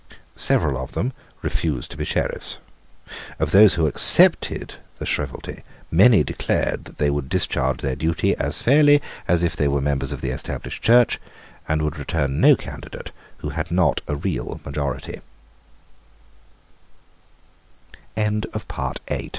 Several of them refused to be Sheriffs. Of those who accepted the shrievalty many declared that they would discharge their duty as fairly as if they were members of the Established Church, and would return no candidate who had not a r